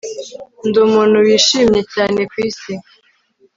Ndi umuntu wishimye cyane kwisi